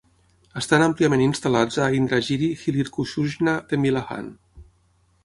Estan àmpliament instal·lats a Indragiri Hilirkhususnya Tembilahan.